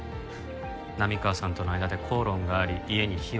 波川さんとの間で口論があり家に火をつけた。